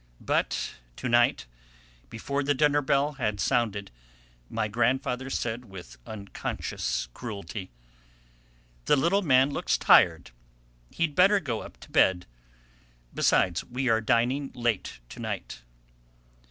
But to night, before the dinner bell had sounded, my grandfather said with unconscious cruelty: "The little man looks tired; he'd better go up to bed. Besides, we are dining late to night."